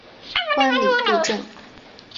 观礼部政。